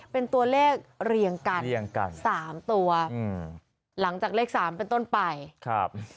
เป็นตัวเลขเรียงกันเรียงกันสามตัวอืมหลังจากเลขสามเป็นต้นไปครับ